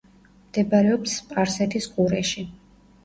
მდებარეობს სპარსეთის ყურეში.